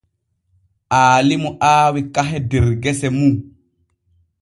Aalimu aawi kahe der gese mun.